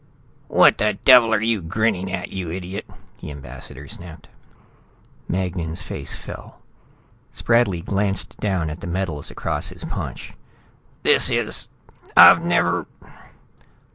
"What the devil are you grinning at, you idiot?" the ambassador snapped. Magnan's face fell. Spradley glanced down at the medals across his paunch. "This is.... I've never...."